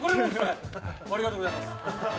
ありがとうございます。